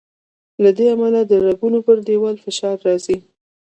له دې امله د رګونو پر دیوال فشار راځي.